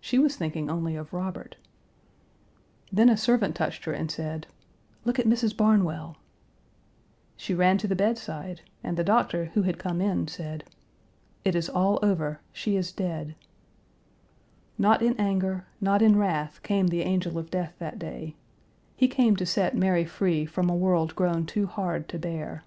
She was thinking only of Robert. Then a servant touched her and said: "Look at Mrs. Barnwell." She ran to the bedside, and the doctor, who had come in, said, "It is all over; she is dead." Not in anger, not in wrath, came the angel of death that day. He came to set Mary free from a world grown too hard to bear. .................